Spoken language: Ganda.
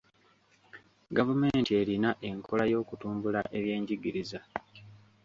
Gavumenti erina enkola y'okutumbula ebyenjigiriza.